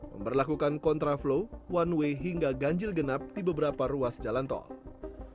memperlakukan kontraflow one way hingga ganjil genap di beberapa ruas jalan tol